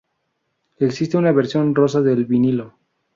Existe una versión rosa del vinilo.